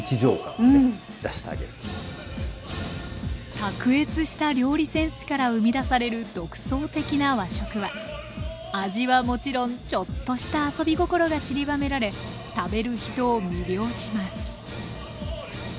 卓越した料理センスから生み出される独創的な和食は味はもちろんちょっとした遊び心がちりばめられ食べる人を魅了します